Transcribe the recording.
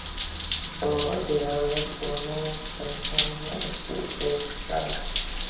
দেয়ালের কোণে ঠেসানো একটা এসরাজ।